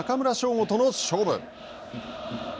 吾との勝負。